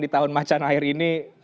di tahun macan air ini